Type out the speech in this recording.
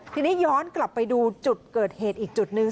ทีนี้ย้อนกลับไปดูจุดเกิดเหตุอีกจุดหนึ่ง